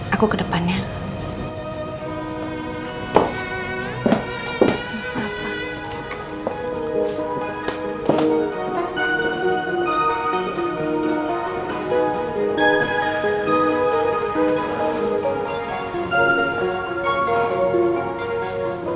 aku ke depan ya